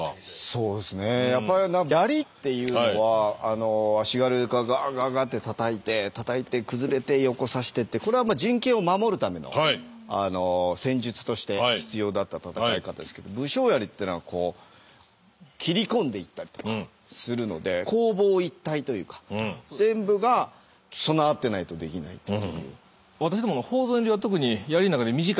そうですねやっぱ槍っていうのは足軽がガーガーガーってたたいてたたいて崩れて横差してってこれは陣形を守るための戦術として必要だった戦い方ですけど武将槍っていうのはこう斬り込んでいったりとかするので攻防一体というか全部が備わってないとできないっていう。